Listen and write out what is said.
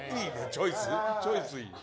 チョイスいい。